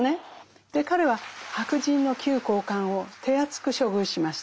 彼は白人の旧高官を手厚く処遇しました。